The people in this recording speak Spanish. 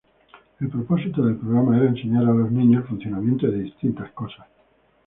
El propósito del programa era enseñar a los niños el funcionamiento de distintas cosas.